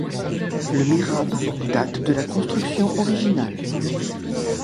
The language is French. Le mihrab date de la construction originale.